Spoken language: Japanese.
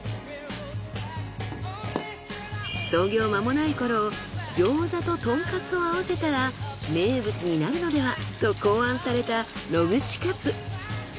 創業まもない頃餃子とトンカツを合わせたら名物になるのではと考案された野口カツ。